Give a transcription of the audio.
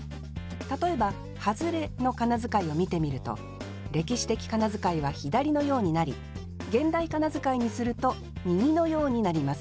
例えば「外れ」の仮名遣いを見てみると歴史的仮名遣いは左のようになり現代仮名遣いにすると右のようになります。